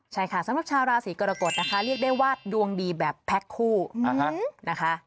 ใช่ค่ะสำหรับชาวราศีกรกฎนะคะเรียกได้ว่าดวงดีแบบแพ็คคู่นะคะ